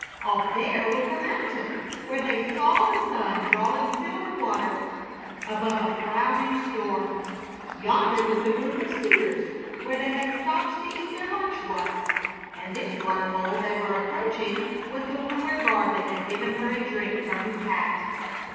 Off there was the mountain where they saw the sun drawing silver water above a frowning storm. Yonder was the group of cedars where they had stopped to eat their lunch once, and this water hole they were approaching was the one where Gardley had given her a drink from his hat.